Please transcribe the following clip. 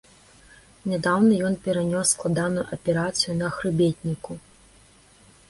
Нядаўна ён перанёс складаную аперацыю на хрыбетніку.